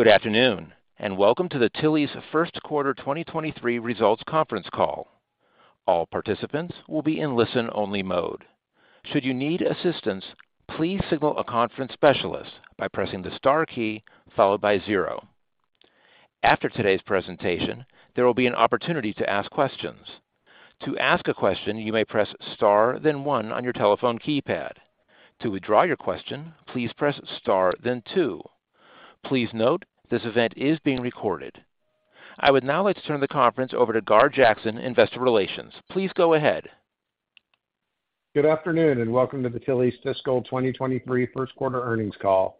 Good afternoon, and welcome to the Tilly's first quarter 2023 results conference call. All participants will be in listen-only mode. Should you need assistance, please signal a conference specialist by pressing the star key followed by 0. After today's presentation, there will be an opportunity to ask questions. To ask a question, you may press star, then 1 on your telephone keypad. To withdraw your question, please press star, then 2. Please note, this event is being recorded. I would now like to turn the conference over to Gar Jackson, Investor Relations. Please go ahead. Good afternoon, welcome to the Tilly's fiscal 2023 first quarter earnings call.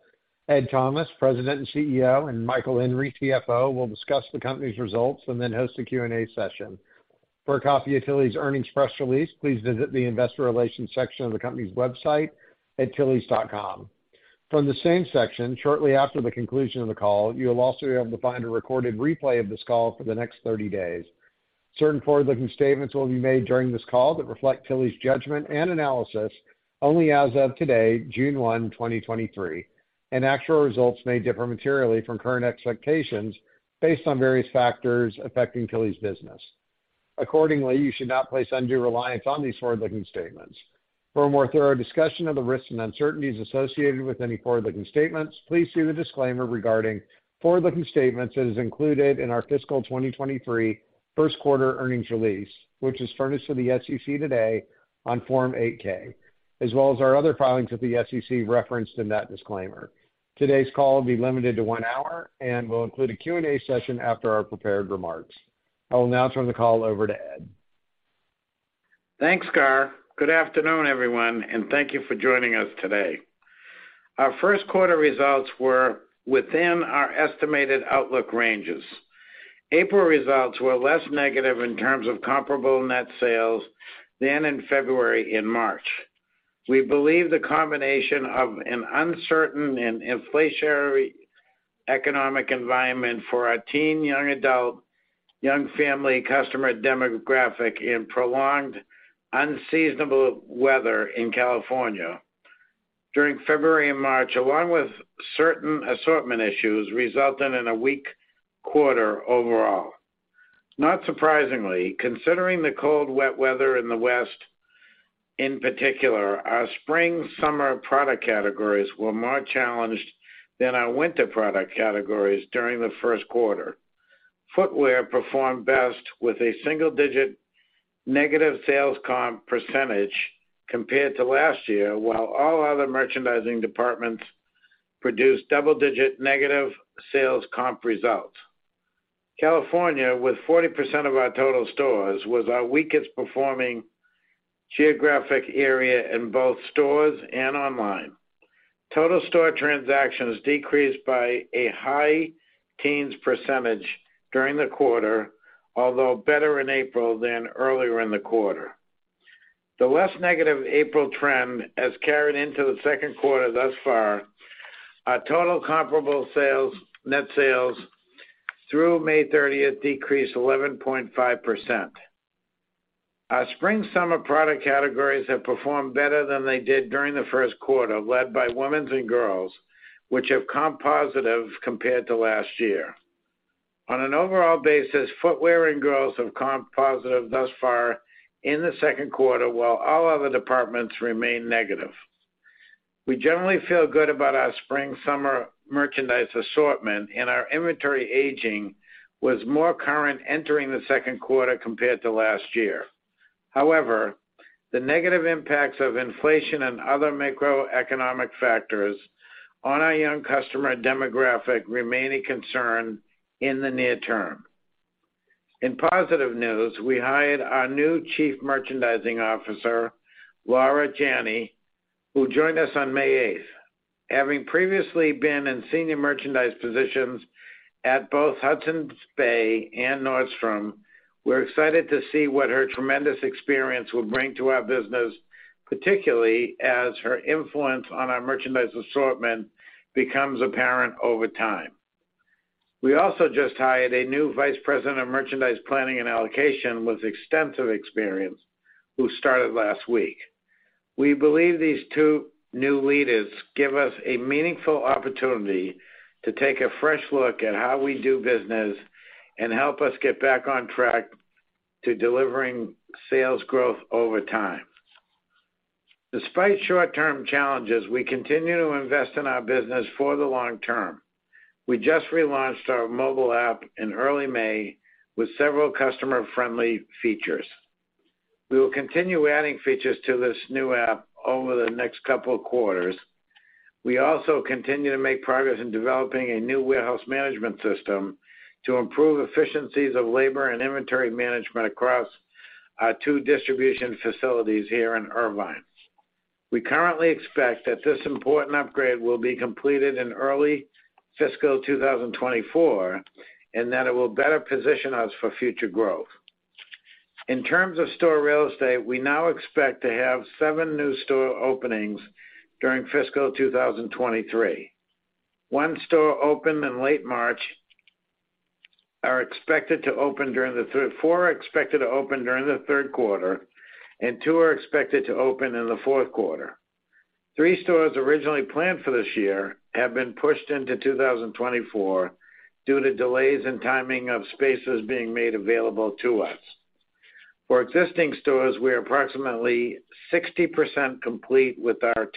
Ed Thomas, president and CEO, and Michael Henry, CFO, will discuss the company's results and then host a Q&A session. For a copy of Tilly's earnings press release, please visit the Investor Relations section of the company's website at tillys.com. From the same section, shortly after the conclusion of the call, you will also be able to find a recorded replay of this call for the next 30 days. Certain forward-looking statements will be made during this call that reflect Tilly's judgment and analysis only as of today, June 1, 2023, and actual results may differ materially from current expectations based on various factors affecting Tilly's business. Accordingly, you should not place undue reliance on these forward-looking statements. For a more thorough discussion of the risks and uncertainties associated with any forward-looking statements, please see the disclaimer regarding forward-looking statements that is included in our fiscal 2023 first quarter earnings release, which is furnished to the SEC today on Form 8-K, as well as our other filings with the SEC referenced in that disclaimer. Today's call will be limited to 1 hour and will include a Q&A session after our prepared remarks. I will now turn the call over to Ed. Thanks, Gar. Good afternoon, everyone, thank you for joining us today. Our first quarter results were within our estimated outlook ranges. April results were less negative in terms of comparable net sales than in February and March. We believe the combination of an uncertain and inflationary economic environment for our teen, young adult, young family customer demographic in prolonged unseasonable weather in California during February and March, along with certain assortment issues, resulted in a weak quarter overall. Not surprisingly, considering the cold, wet weather in the West in particular, our spring, summer product categories were more challenged than our winter product categories during the first quarter. Footwear performed best with a single-digit negative sales comp percentage compared to last year, while all other merchandising departments produced double-digit negative sales comp results. California, with 40% of our total stores, was our weakest performing geographic area in both stores and online. Total store transactions decreased by a high teens % during the quarter, although better in April than earlier in the quarter. The less negative April trend has carried into the second quarter thus far. Our total comparable sales, net sales through May 30th decreased 11.5%. Our spring/summer product categories have performed better than they did during the first quarter, led by women's and girls, which have comp positive compared to last year. On an overall basis, footwear and girls have comp positive thus far in the second quarter, while all other departments remain negative. We generally feel good about our spring, summer merchandise assortment, our inventory aging was more current entering the second quarter compared to last year. However, the negative impacts of inflation and other macroeconomic factors on our young customer demographic remain a concern in the near term. In positive news, we hired our new chief merchandising officer, Laura Janney, who joined us on May 8th. Having previously been in senior merchandise positions at both Hudson's Bay and Nordstrom, we're excited to see what her tremendous experience will bring to our business, particularly as her influence on our merchandise assortment becomes apparent over time. We also just hired a new vice president of merchandise planning and allocation with extensive experience, who started last week. We believe these two new leaders give us a meaningful opportunity to take a fresh look at how we do business and help us get back on track to delivering sales growth over time. Despite short-term challenges, we continue to invest in our business for the long term. We just relaunched our mobile app in early May with several customer-friendly features. We will continue adding features to this new app over the next couple of quarters. We also continue to make progress in developing a new warehouse management system to improve efficiencies of labor and inventory management across our two distribution facilities here in Irvine. We currently expect that this important upgrade will be completed in early fiscal 2024, and that it will better position us for future growth. In terms of store real estate, we now expect to have seven new store openings during fiscal 2023. One store opened in late March, four are expected to open during the third quarter, and two are expected to open in the fourth quarter. Three stores originally planned for this year have been pushed into 2024 due to delays in timing of spaces being made available to us. For existing stores, we are approximately 60% complete with our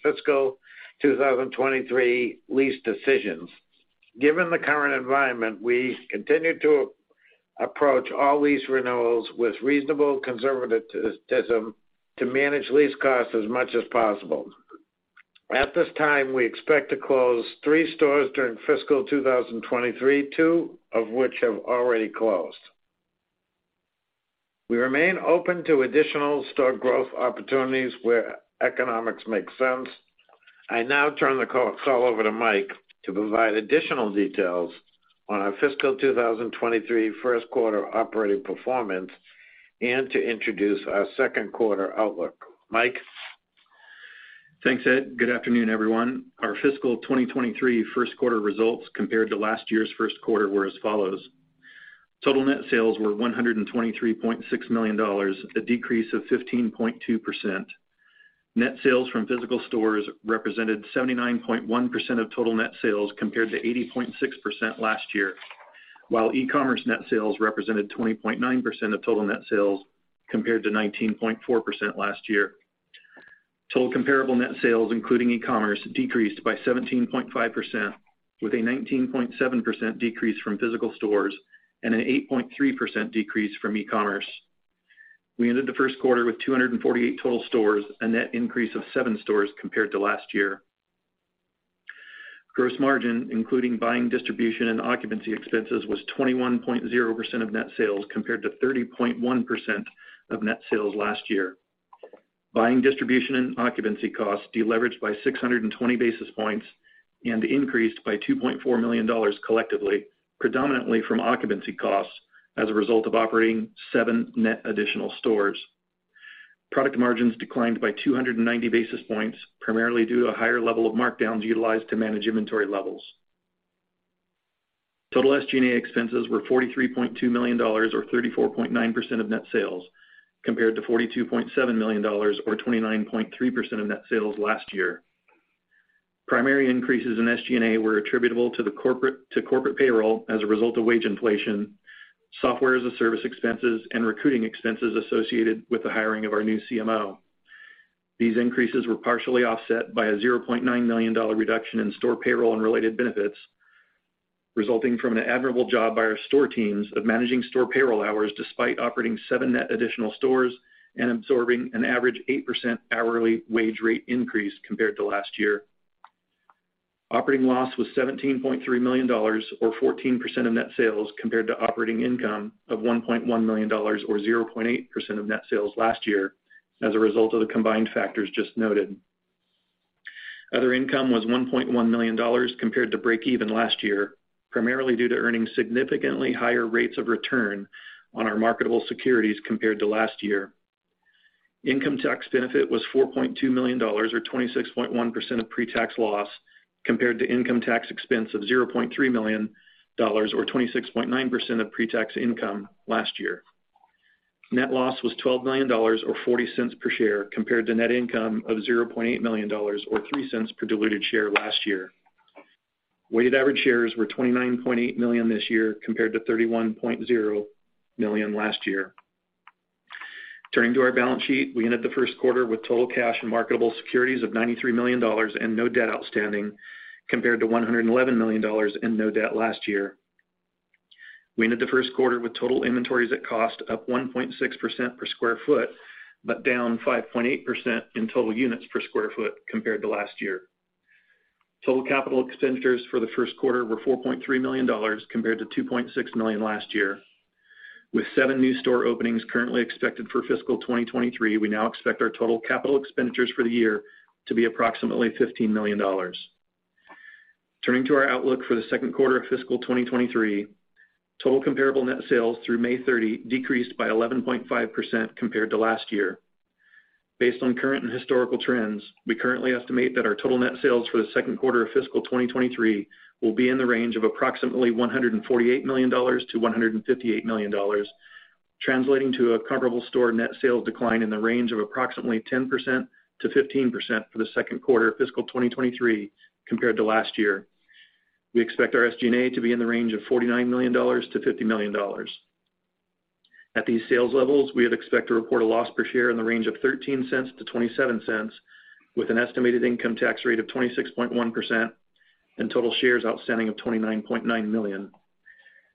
fiscal 2023 lease decisions. Given the current environment, we continue to approach all lease renewals with reasonable conservatism to manage lease costs as much as possible. At this time, we expect to close three stores during fiscal 2023, two of which have already closed. We remain open to additional store growth opportunities where economics make sense. I now turn the call over to Mike to provide additional details on our fiscal 2023 first quarter operating performance, and to introduce our second quarter outlook. Mike? Thanks, Ed. Good afternoon, everyone. Our fiscal 2023 first quarter results compared to last year's first quarter were as follows: Total net sales were $123.6 million, a decrease of 15.2%. Net sales from physical stores represented 79.1% of total net sales, compared to 80.6% last year, while e-commerce net sales represented 20.9% of total net sales, compared to 19.4% last year. Total comparable net sales, including e-commerce, decreased by 17.5%, with a 19.7% decrease from physical stores and an 8.3% decrease from e-commerce. We ended the first quarter with 248 total stores, a net increase of seven stores compared to last year. Gross margin, including buying, distribution, and occupancy expenses, was 21.0% of net sales, compared to 30.1% of net sales last year. Buying, distribution, and occupancy costs deleveraged by 620 basis points and increased by $2.4 million collectively, predominantly from occupancy costs as a result of operating seven net additional stores. Product margins declined by 290 basis points, primarily due to a higher level of markdowns utilized to manage inventory levels. Total SG&A expenses were $43.2 million, or 34.9% of net sales, compared to $42.7 million or 29.3% of net sales last year. Primary increases in SG&A were attributable to corporate payroll as a result of wage inflation, software-as-a-service expenses and recruiting expenses associated with the hiring of our new CMO. These increases were partially offset by a $0.9 million reduction in store payroll and related benefits, resulting from an admirable job by our store teams of managing store payroll hours, despite operating seven net additional stores and absorbing an average 8% hourly wage rate increase compared to last year. Operating loss was $17.3 million, or 14% of net sales, compared to operating income of $1.1 million or 0.8% of net sales last year as a result of the combined factors just noted. Other income was $1.1 million compared to breakeven last year, primarily due to earning significantly higher rates of return on our marketable securities compared to last year. Income tax benefit was $4.2 million, or 26.1% of pre-tax loss, compared to income tax expense of $0.3 million, or 26.9% of pre-tax income last year. Net loss was $12 million or $0.40 per share, compared to net income of $0.8 million or $0.03 per diluted share last year. Weighted average shares were $29.8 million this year, compared to $31.0 million last year. Turning to our balance sheet, we ended the first quarter with total cash and marketable securities of $93 million and no debt outstanding, compared to $111 million in no debt last year. We ended the first quarter with total inventories at cost, up 1.6% per sq ft, but down 5.8% in total units per sq ft compared to last year. Total capital expenditures for the first quarter were $4.3 million, compared to $2.6 million last year. With seven new store openings currently expected for fiscal 2023, we now expect our total capital expenditures for the year to be approximately $15 million. Turning to our outlook for the second quarter of fiscal 2023, total comparable net sales through May 30 decreased by 11.5% compared to last year. Based on current and historical trends, we currently estimate that our total net sales for the second quarter of fiscal 2023 will be in the range of approximately $148 million-$158 million, translating to a comparable store net sales decline in the range of approximately 10%-15% for the second quarter of fiscal 2023 compared to last year. We expect our SG&A to be in the range of $49 million-$50 million. At these sales levels, we would expect to report a loss per share in the range of $0.13-$0.27, with an estimated income tax rate of 26.1% and total shares outstanding of $29.9 million.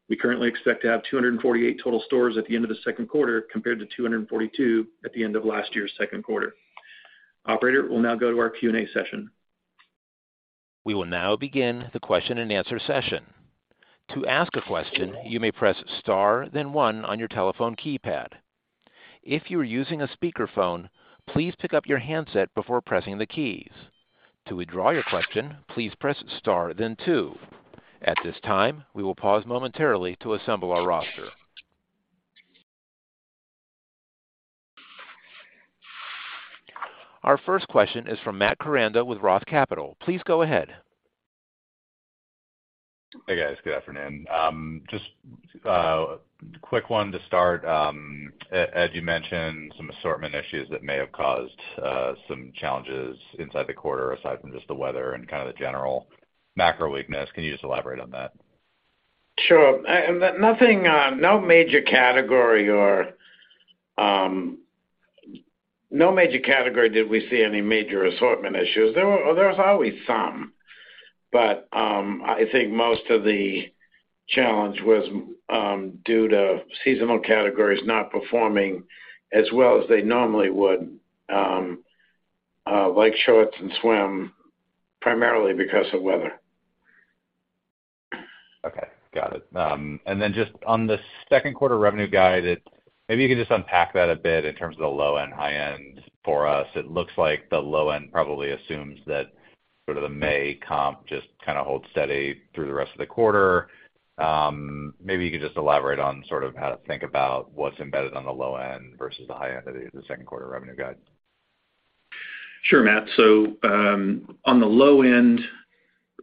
We currently expect to have 248 total stores at the end of the second quarter, compared to 242 at the end of last year's second quarter. Operator, we'll now go to our Q&A session. We will now begin the question-and-answer session. To ask a question, you may press star, then 1 on your telephone keypad. If you are using a speakerphone, please pick up your handset before pressing the keys. To withdraw your question, please press star, then 2. At this time, we will pause momentarily to assemble our roster. Our first question is from Matt Koranda with ROTH Capital. Please go ahead. Hey, guys. Good afternoon. just quick one to start. As you mentioned, some assortment issues that may have caused some challenges inside the quarter, aside from just the weather and kind of the general macro weakness. Can you just elaborate on that? Sure. Nothing, no major category did we see any major assortment issues. There's always some. I think most of the challenge was due to seasonal categories not performing as well as they normally would, like shorts and swim, primarily because of weather. Okay, got it. Just on the second quarter revenue guide, maybe you can just unpack that a bit in terms of the low and high end for us. It looks like the low end probably assumes that sort of the May comp just kind of holds steady through the rest of the quarter. Maybe you could just elaborate on sort of how to think about what's embedded on the low end versus the high end of the second quarter revenue guide. Sure, Matt. On the low end,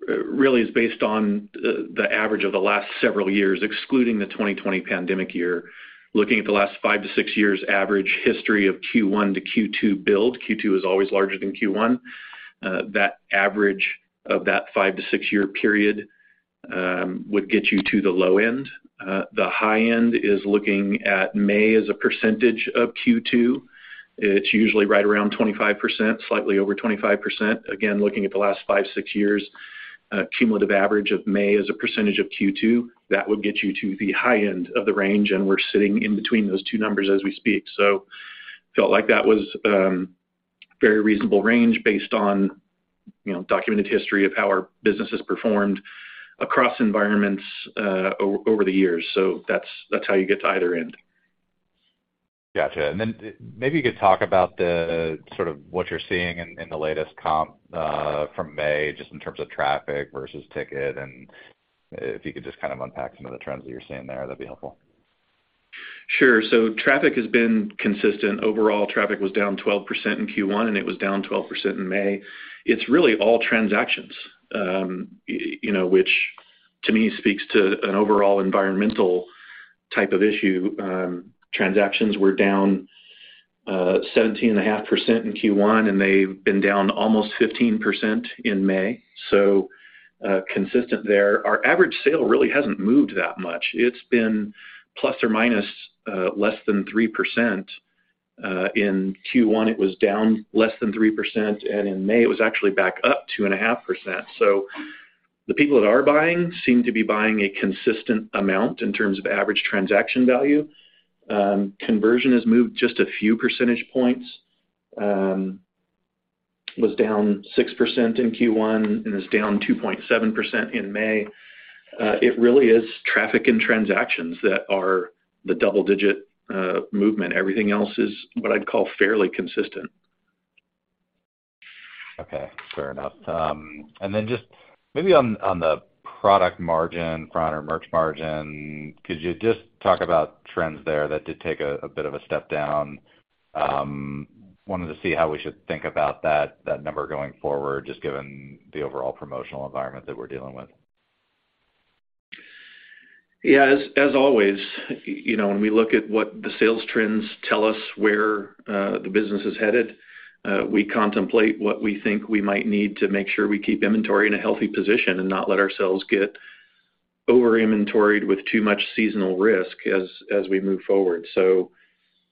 really is based on the average of the last several years, excluding the 2020 pandemic year. Looking at the last five to six years average history of Q1 to Q2 build, Q2 is always larger than Q1. That average of that five- to six-year period would get you to the low end. The high end is looking at May as a percentage of Q2. It's usually right around 25%, slightly over 25%. Again, looking at the last five, six years cumulative average of May as a percentage of Q2, that would get you to the high end of the range, and we're sitting in between those two numbers as we speak. Felt like that was, very reasonable range based on, you know, documented history of how our business has performed across environments, over the years. That's, that's how you get to either end. Gotcha. Maybe you could talk about the, sort of what you're seeing in the latest comp, from May, just in terms of traffic versus ticket, and if you could just kind of unpack some of the trends that you're seeing there, that'd be helpful. Sure. Traffic has been consistent. Overall, traffic was down 12% in Q1, and it was down 12% in May. It's really all transactions, you know, which to me speaks to an overall environmental type of issue. Transactions were down 17.5% in Q1, and they've been down almost 15% in May, so consistent there. Our average sale really hasn't moved that much. It's been plus or minus less than 3%. In Q1, it was down less than 3%, and in May, it was actually back up 2.5%. The people that are buying seem to be buying a consistent amount in terms of average transaction value. Conversion has moved just a few percentage points. Was down 6% in Q1 and is down 2.7% in May. It really is traffic and transactions that are the double digit movement. Everything else is what I'd call fairly consistent. Fair enough. Just maybe on the product margin, product or merch margin, could you just talk about trends there? That did take a bit of a step down. Wanted to see how we should think about that number going forward, just given the overall promotional environment that we're dealing with. Yeah, as always, you know, when we look at what the sales trends tell us, where the business is headed, we contemplate what we think we might need to make sure we keep inventory in a healthy position and not let ourselves get over-inventoried with too much seasonal risk as we move forward. You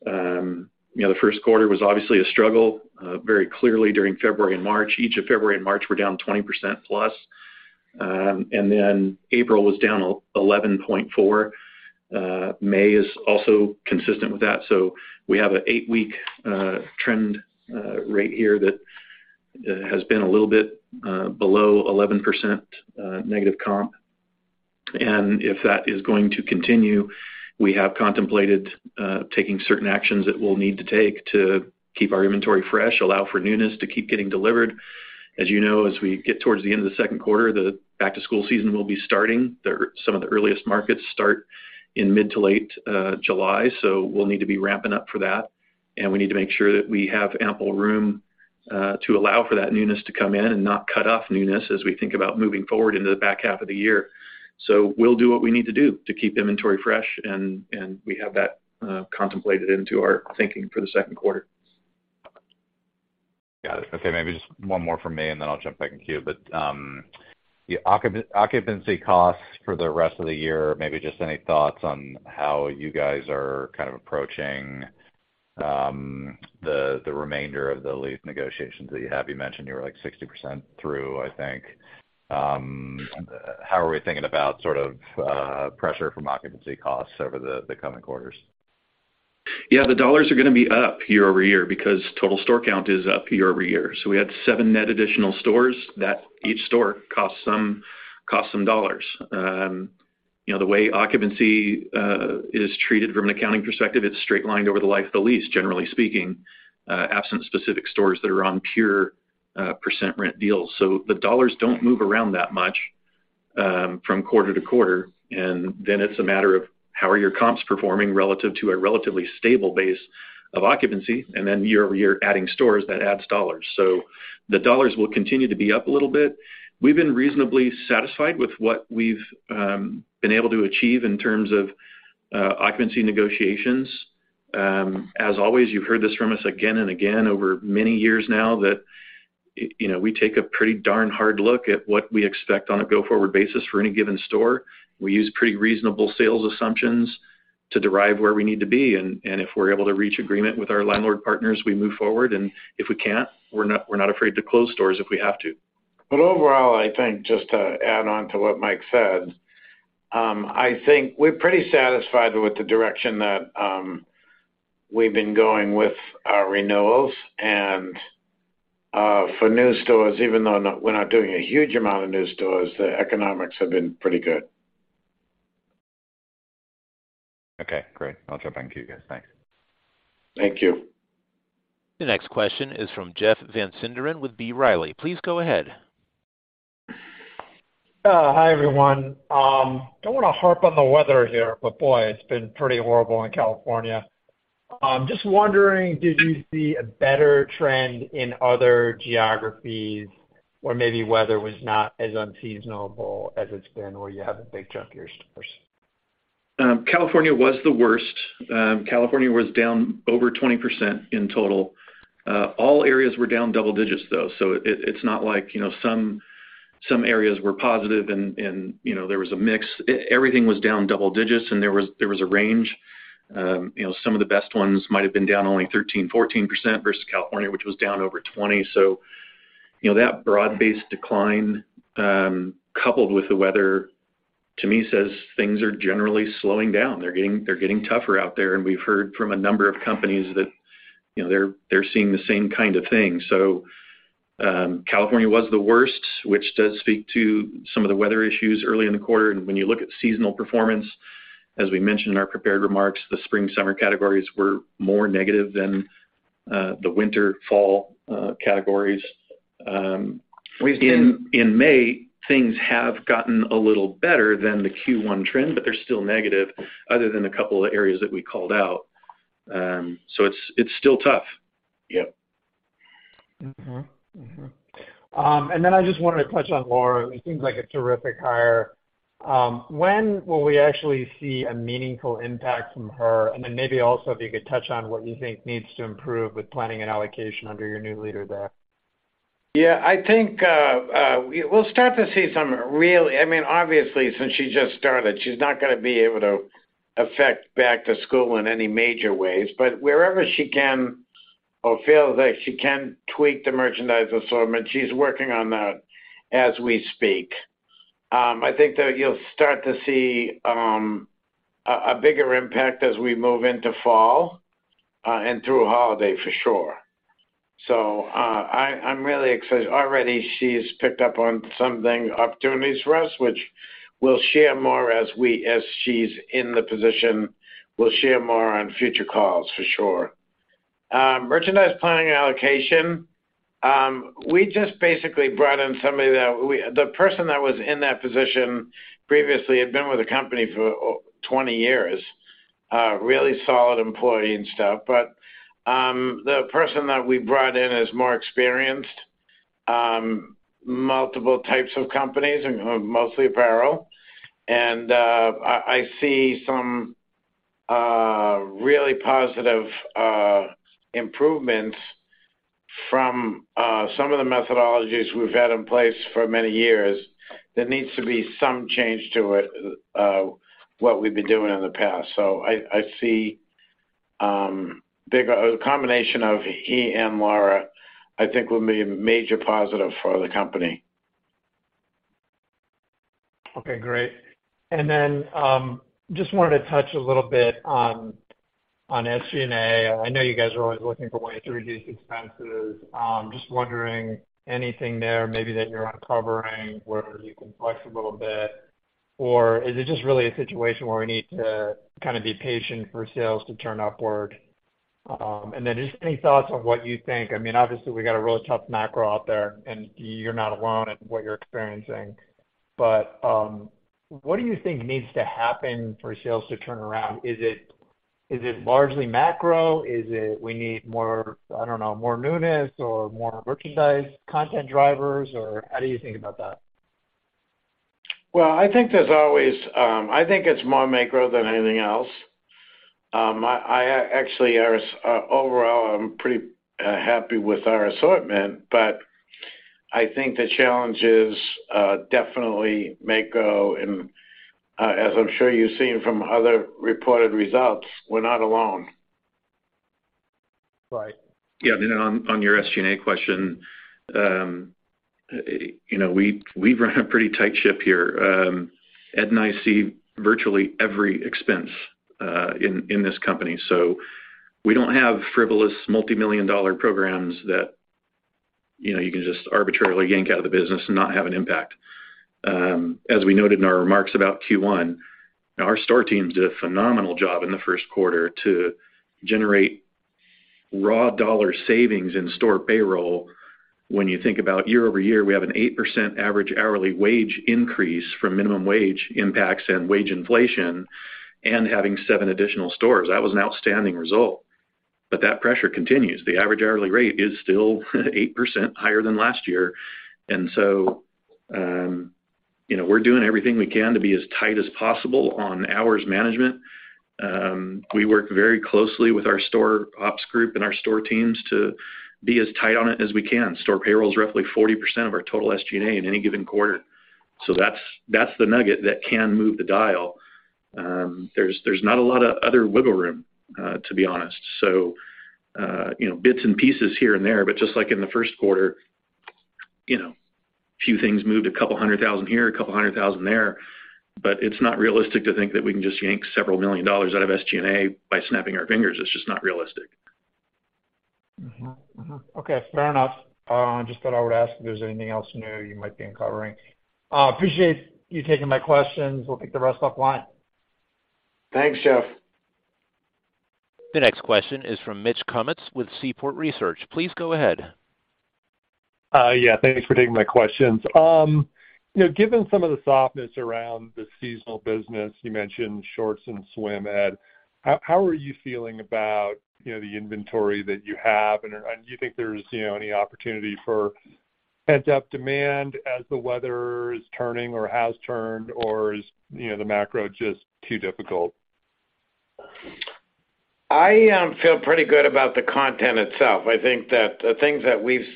know, the first quarter was obviously a struggle, very clearly during February and March. Each of February and March were down 20%+. April was down 11.4%. May is also consistent with that. We have an eight-week trend right here that has been a little bit below 11% negative comp. If that is going to continue, we have contemplated taking certain actions that we'll need to take to keep our inventory fresh, allow for newness, to keep getting delivered. As you know, as we get towards the end of the second quarter, the back-to-school season will be starting. Some of the earliest markets start in mid to late July, so we'll need to be ramping up for that, and we need to make sure that we have ample room to allow for that newness to come in and not cut off newness as we think about moving forward into the back half of the year. We'll do what we need to do to keep inventory fresh, and we have that contemplated into our thinking for the second quarter. Got it. Okay, maybe just one more from me, and then I'll jump back in queue. Occupancy costs for the rest of the year, maybe just any thoughts on how you guys are kind of approaching the remainder of the lease negotiations that you have? You mentioned you were, like, 60% through, I think. How are we thinking about sort of pressure from occupancy costs over the coming quarters? Yeah, the dollars are gonna be up year-over-year because total store count is up year-over-year. We had seven net additional stores that each store costs some dollars. You know, the way occupancy, is treated from an accounting perspective, it's straight lined over the life of the lease, generally speaking, absent specific stores that are on pure, percent rent deals. The dollars don't move around that much. from quarter-to-quarter, and then it's a matter of how are your comps performing relative to a relatively stable base of occupancy, and then year-over-year, adding stores, that adds dollars. The dollars will continue to be up a little bit. We've been reasonably satisfied with what we've, been able to achieve in terms of, occupancy negotiations. As always, you've heard this from us again and again over many years now that, you know, we take a pretty darn hard look at what we expect on a go-forward basis for any given store. We use pretty reasonable sales assumptions to derive where we need to be, and if we're able to reach agreement with our landlord partners, we move forward, and if we can't, we're not afraid to close stores if we have to. Overall, I think, just to add on to what Mike said, I think we're pretty satisfied with the direction that we've been going with our renewals, and for new stores, even though we're not doing a huge amount of new stores, the economics have been pretty good. Okay, great. I'll jump back to you guys. Thanks. Thank you. The next question is from Jeff Van Sinderen with B. Riley. Please go ahead. Hi, everyone. Don't wanna harp on the weather here, but boy, it's been pretty horrible in California. Just wondering, did you see a better trend in other geographies where maybe weather was not as unseasonable as it's been, where you have a big chunk of your stores? California was the worst. California was down over 20% in total. All areas were down double digits, though. It's not like, you know, some areas were positive and, you know, there was a mix. Everything was down double digits, and there was a range. You know, some of the best ones might have been down only 13%-14% versus California, which was down over 20%. You know, that broad-based decline, coupled with the weather, to me, says things are generally slowing down. They're getting tougher out there, and we've heard from a number of companies that, you know, they're seeing the same kind of thing. California was the worst, which does speak to some of the weather issues early in the quarter. When you look at seasonal performance, as we mentioned in our prepared remarks, the spring, summer categories were more negative than the winter, fall, categories. In May, things have gotten a little better than the Q1 trend, but they're still negative other than a couple of areas that we called out. It's, it's still tough. Yep. I just wanted to touch on Laura. It seems like a terrific hire. When will we actually see a meaningful impact from her? Maybe also, if you could touch on what you think needs to improve with planning and allocation under your new leader there. Yeah, I think, we'll start to see some real. I mean, obviously, since she just started, she's not gonna be able to affect Back to School in any major ways. Wherever she can or feels like she can tweak the merchandise assortment, she's working on that as we speak. I think that you'll start to see, a bigger impact as we move into fall, and through holiday, for sure. I'm really excited. Already, she's picked up on something, opportunities for us, which we'll share more as she's in the position, we'll share more on future calls for sure. Merchandise planning and allocation, we just basically brought in somebody that we, the person that was in that position previously had been with the company for 20 years, really solid employee and stuff. The person that we brought in is more experienced, multiple types of companies and mostly apparel. I see some really positive improvements from some of the methodologies we've had in place for many years. There needs to be some change to it, what we've been doing in the past. I see a combination of he and Laura, I think will be a major positive for the company. Okay, great. just wanted to touch a little bit on SG&A. I know you guys are always looking for ways to reduce expenses. just wondering, anything there maybe that you're uncovering where you can flex a little bit? is it just really a situation where we need to kind of be patient for sales to turn upward? just any thoughts on what you think. I mean, obviously, we got a really tough macro out there, and you're not alone in what you're experiencing, but, what do you think needs to happen for sales to turn around? Is it largely macro? Is it we need more, I don't know, more newness or more merchandise content drivers, or how do you think about that? Well, I think there's always, I think it's more macro than anything else. I actually ours overall, I'm pretty happy with our assortment, but I think the challenge is definitely macro, and as I'm sure you've seen from other reported results, we're not alone. Right. On your SG&A question, you know, we run a pretty tight ship here. Ed and I see virtually every expense in this company. We don't have frivolous, multimillion-dollar programs that, you know, you can just arbitrarily yank out of the business and not have an impact. As we noted in our remarks about Q1, our store teams did a phenomenal job in the first quarter to generate raw dollar savings in store payroll, when you think about year-over-year, we have an 8% average hourly wage increase from minimum wage impacts and wage inflation, and having seven additional stores. That was an outstanding result, but that pressure continues. The average hourly rate is still 8% higher than last year. You know, we're doing everything we can to be as tight as possible on hours management. We work very closely with our store ops group and our store teams to be as tight on it as we can. Store payroll is roughly 40% of our total SG&A in any given quarter. That's the nugget that can move the dial. There's not a lot of other wiggle room, to be honest. You know, bits and pieces here and there, but just like in the first quarter, you know, a few things moved, $200,000 here, $200,000 there, but it's not realistic to think that we can just yank several million dollars out of SG&A by snapping our fingers. It's just not realistic. Mm-hmm. Mm-hmm. Okay, fair enough. I just thought I would ask if there's anything else new you might be uncovering. Appreciate you taking my questions. We'll pick the rest up line. Thanks, Jeff. The next question is from Mitch Kummetz with Seaport Research. Please go ahead. Yeah, thanks for taking my questions. You know, given some of the softness around the seasonal business, you mentioned shorts and swim, Ed, how are you feeling about, you know, the inventory that you have? Do you think there's, you know, any opportunity for pent-up demand as the weather is turning or has turned, or is, you know, the macro just too difficult? I feel pretty good about the content itself. I think that the things that we've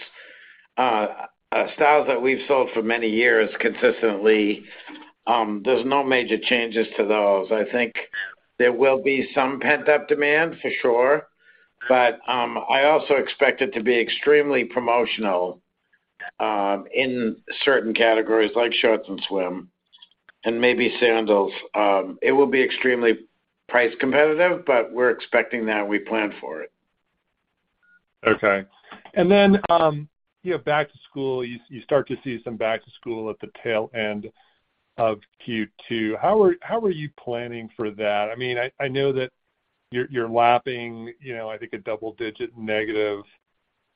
styles that we've sold for many years consistently, there's no major changes to those. I think there will be some pent-up demand for sure, I also expect it to be extremely promotional in certain categories like shorts and swim and maybe sandals. It will be extremely price competitive, but we're expecting that, and we planned for it. Okay. You know, Back to School, you start to see some Back to School at the tail end of Q2. How are you planning for that? I mean, I know that you're lapping, you know, I think a double-digit negative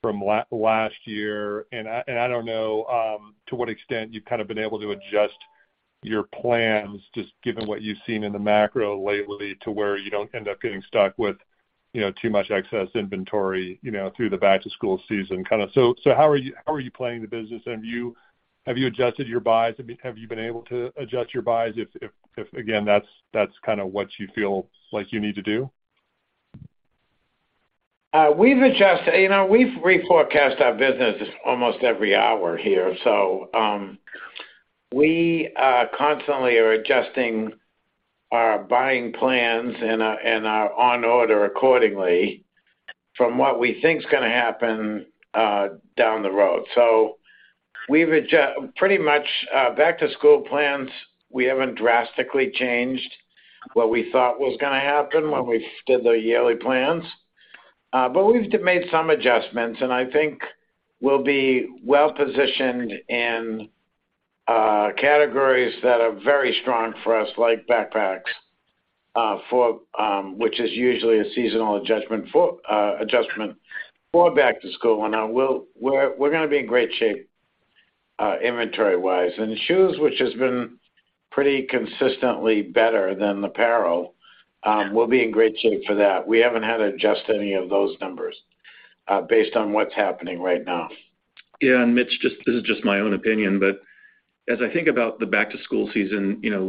from last year, and I don't know to what extent you've kind of been able to adjust your plans, just given what you've seen in the macro lately, to where you don't end up getting stuck with, you know, too much excess inventory, you know, through the back-to-school season. How are you playing the business? Have you adjusted your buys? Have you been able to adjust your buys if again, that's kind of what you feel like you need to do? We've adjusted. You know, we've reforecast our business almost every hour here, so we constantly are adjusting our buying plans and our on order accordingly from what we think is gonna happen down the road. We've adjusted pretty much back to school plans, we haven't drastically changed what we thought was gonna happen when we did the yearly plans. But we've made some adjustments, and I think we'll be well positioned in categories that are very strong for us, like backpacks, for which is usually a seasonal adjustment for, adjustment for Back to School. We're gonna be in great shape inventory-wise. Shoes, which has been pretty consistently better than apparel, we'll be in great shape for that. We haven't had to adjust any of those numbers, based on what's happening right now. Yeah, and, Mitch, just, this is just my own opinion, as I think about the back-to-school season, you know,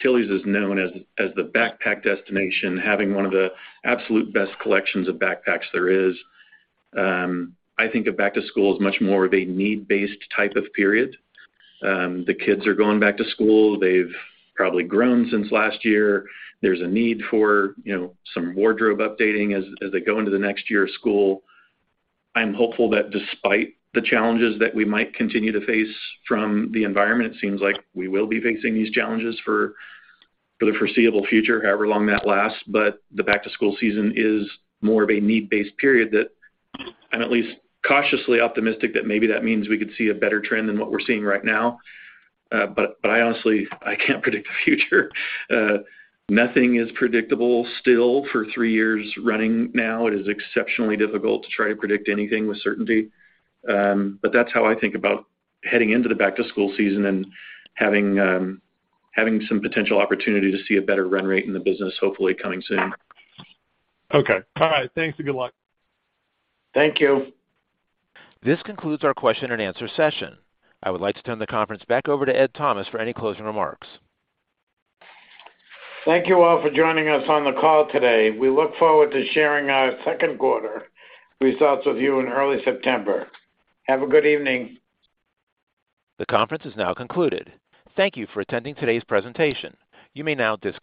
Tilly's is known as the backpack destination, having one of the absolute best collections of backpacks there is. I think a back-to-school is much more of a need-based type of period. The kids are going back to school. They've probably grown since last year. There's a need for, you know, some wardrobe updating as they go into the next year of school. I'm hopeful that despite the challenges that we might continue to face from the environment, it seems like we will be facing these challenges for the foreseeable future, however long that lasts. The back-to-school season is more of a need-based period that I'm at least cautiously optimistic that maybe that means we could see a better trend than what we're seeing right now. I honestly, I can't predict the future. Nothing is predictable still for 3 years running now. It is exceptionally difficult to try to predict anything with certainty. That's how I think about heading into the back-to-school season and having some potential opportunity to see a better run rate in the business, hopefully coming soon. All right, thanks and good luck. Thank you. This concludes our question and answer session. I would like to turn the conference back over to Ed Thomas for any closing remarks. Thank you all for joining us on the call today. We look forward to sharing our second quarter results with you in early September. Have a good evening. The conference is now concluded. Thank you for attending today's presentation. You may now disconnect.